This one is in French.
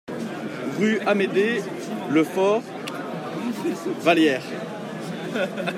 Rue Amédée Lefaure, Vallière